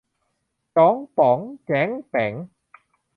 จ๊องป๊องแจ๊งแป๊ง